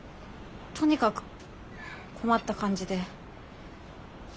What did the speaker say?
とにかく困った感じで。